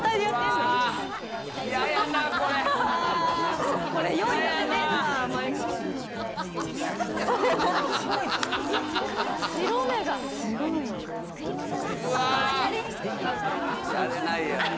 やれないよ。